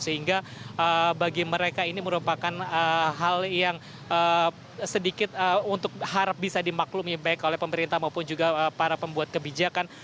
sehingga bagi mereka ini merupakan hal yang sedikit untuk harap bisa dimaklumi baik oleh pemerintah maupun juga para pembuat kebijakan